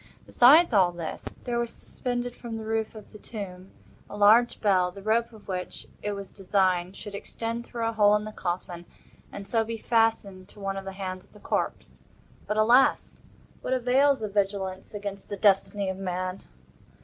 Besides all this, there was suspended from the roof of the tomb, a large bell, the rope of which, it was designed, should extend through a hole in the coffin, and so be fastened to one of the hands of the corpse. But, alas? what avails the vigilance against the Destiny of man?